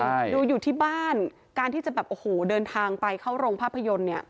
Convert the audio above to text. ใช่ดูอยู่ที่บ้านการที่จะแบบโอ้โหเดินทางไปเข้าโรงภาพยนตร์เนี่ย